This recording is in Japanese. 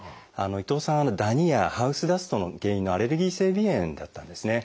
伊藤さんダニやハウスダストの原因のアレルギー性鼻炎だったんですね。